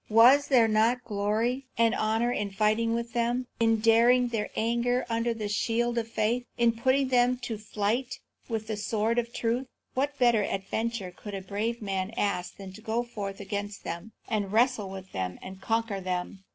Was there not glory and honour in fighting with them, in daring their anger under the shield of faith, in putting them to flight with the sword of truth? What better adventure could a brave man ask than to go forth against them, and wrestle with them, and conquer them?